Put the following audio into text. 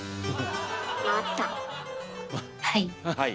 はい。